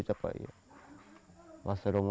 saya merasa seperti berlaku